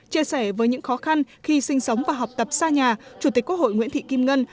chia sẻ với những khó khăn khi sinh sống và học tập xa nhà chủ tịch quốc hội nguyễn thị kim ngân